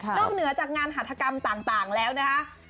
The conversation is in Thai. ต้องเหนือจากงานหัตถกรรมต่างแล้วนะครับ